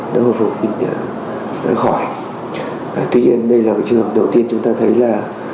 tuy nhiên đây là trường hợp đầu tiên chúng ta thấy là